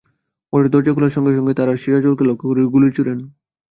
ঘরের দরজা খোলার সঙ্গে সঙ্গে তাঁরা সিরাজুলকে লক্ষ্য করে গুলি ছোড়েন।